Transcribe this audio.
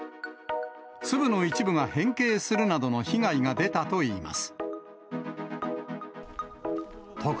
粒の一部が変形するなどの被害が出たといいます。